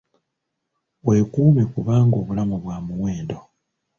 Weekuume kubanga obulamu bwa muwendo.